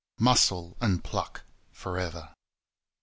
4 Muscle and pluck forever!